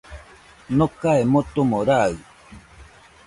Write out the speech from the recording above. Nokae motomo raɨ,